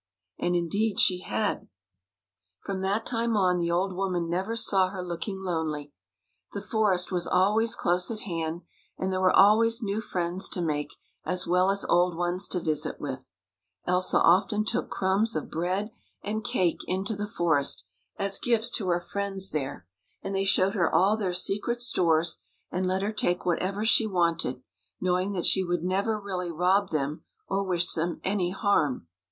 And indeed she had. From that time the old woman never saw her looking lonely. The forest was always close at hand, and there were always new friends to make, as well as old ones to visit with. Elsa often took crumbs of LOf c. 99 THE FOREST FULL OF FRIENDS bread and cake into the forest, as gifts to her friends there, and they showed her all their secret stores, and let her take whatever she wanted, knowing that she would never really rob them or wish them any harm.